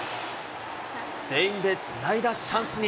全員でつないだチャンスに。